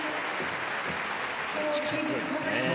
やはり力強いですね。